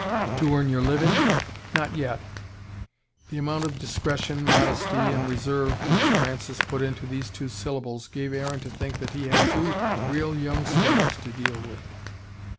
"To earn your living?" "Not yet." The amount of discretion, modesty, and reserve which Francis put into these two syllables gave Aaron to think that he had two real young swells to deal with.